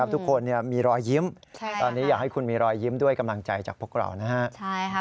ทุกคนมีรอยยิ้มตอนนี้อยากให้คุณมีรอยยิ้มด้วยกำลังใจจากพวกเรานะฮะ